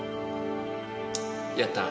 やった。